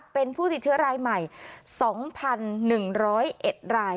เป็นผู้ติดเชื้อรายใหม่สองพันหนึ่งร้อยเอ็ดราย